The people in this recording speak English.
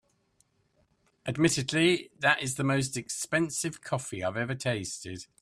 Admittedly, that is the most expensive coffee I’ve tasted.